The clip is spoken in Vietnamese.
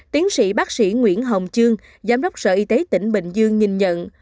tiến sĩ bác sĩ nguyễn hồng trương giám đốc sở y tế tỉnh bình dương nhìn nhận